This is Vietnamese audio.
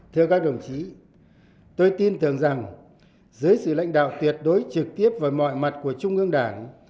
theo các đồng chí tôi tin tưởng rằng dưới sự lãnh đạo tuyệt đối trực tiếp và mọi mặt của trung ương đảng